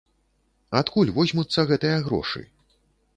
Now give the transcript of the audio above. Адкуль возьмуцца гэтыя грошы?